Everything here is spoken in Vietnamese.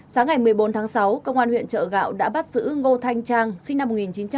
sáng ngày một mươi bốn sáu công an huyện trợ gạo đã bắt xử ngô thanh trang sinh năm một nghìn chín trăm chín mươi tám